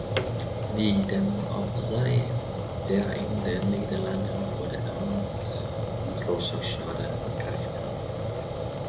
Wie dem auch sei, der in den Niederlanden wurde erneut großer Schaden angerichtet.